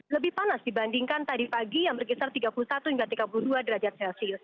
lebih panas dibandingkan tadi pagi yang berkisar tiga puluh satu hingga tiga puluh dua derajat celcius